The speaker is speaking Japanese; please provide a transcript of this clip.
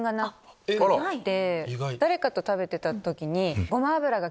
誰かと食べてた時に。